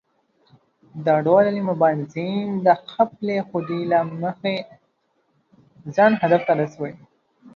دغه ډول ملي مبارزین د خپلې خودۍ له مخې ځان هدف ته رسوي.